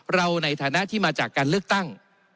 เราในฐานะที่มาจากการเลือกตั้ง